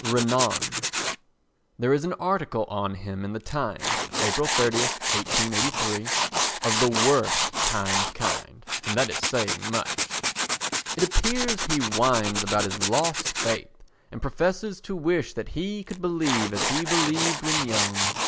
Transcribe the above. Renan There is an article on him in the Times, April 30, 1883, of the worst Times kind, and that is saying much. It appears he whines about his lost faith and professes to wish that he could believe as he believed when young.